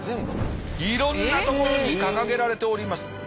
いろんな所に掲げられております。